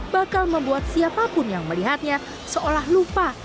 bakal membuat siapapun yang melihatnya seolah lupa